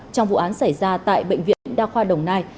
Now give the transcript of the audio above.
trong vụ án xảy ra tại bệnh viện đa khoa đồng nai